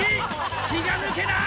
気が抜けない！